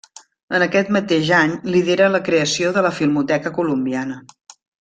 En aquest mateix any lidera la creació de la Filmoteca Colombiana.